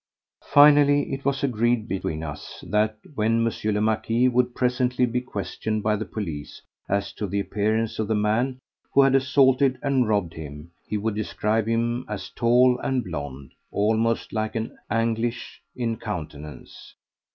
Finally it was agreed between us that when M. le Marquis would presently be questioned by the police as to the appearance of the man who had assaulted and robbed him, he would describe him as tall and blond, almost like an Angliche in countenance.